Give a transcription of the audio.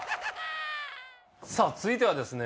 続いてはですね